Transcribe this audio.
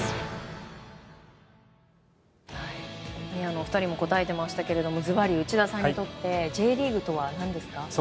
お二人も答えていましたけどずばり内田さんにとってＪリーグとは何ですか？